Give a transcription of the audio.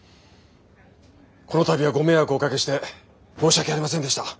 この度はご迷惑をおかけして申し訳ありませんでした。